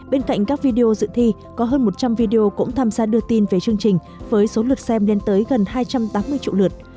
bên cạnh các video dự thi có hơn một trăm linh video cũng tham gia đưa tin về chương trình với số lượt xem lên tới gần hai trăm tám mươi triệu lượt